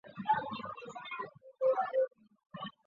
原产地从中南半岛到中国。